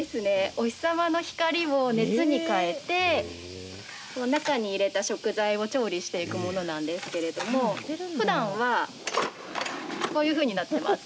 お日様の光を熱に変えて中に入れた食材を調理していくものなんですけれどもふだんはこういうふうになってます。